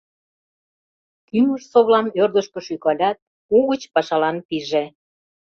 Кӱмыж-совлам ӧрдыжкӧ шӱкалят, угыч пашалан пиже.